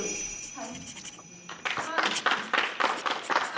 はい。